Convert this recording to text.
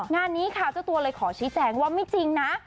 งานนี้ค่ะเจ้าตัวเลยขอชี้แจงว่าไม่จริงนะ